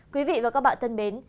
quý vị và các bạn thân mến